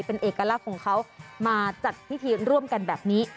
เป็นเอกลักษณ์ของเขามาจัดพิธีร่วมกันแบบนี้